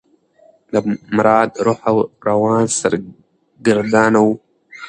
د مراد روح او روان سرګردانه و.